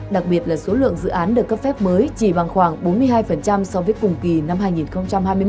đặc biệt là số lượng dự án được cấp phép mới chỉ bằng khoảng bốn mươi hai so với cùng kỳ năm hai nghìn hai mươi một